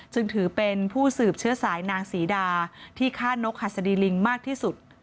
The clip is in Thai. ซึ่งถือเป็นผู้สืบเชื้อสายนางศรีดาที่ฆ่านกหัสดีลิงมากที่สุด